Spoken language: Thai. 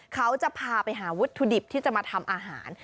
เขาจะพาไปหาวัตถุดิบที่จะมาทำอาหาร